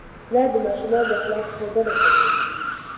پلار د ماشومانو د اخلاقو ښودنه کوي.